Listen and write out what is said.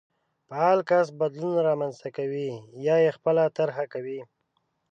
فعال کس بدلون رامنځته کوي يا يې خپله طرحه کوي.